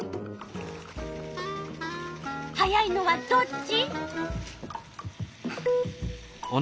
速いのはどっち？